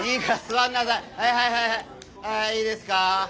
はいいいですか。